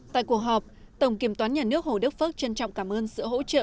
tại cuộc họp tổng kiểm toán nhà nước hồ đức phước trân trọng cảm ơn sự hỗ trợ